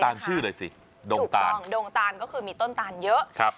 ชื่อหน่อยสิดงตานถูกต้องดงตานก็คือมีต้นตานเยอะครับ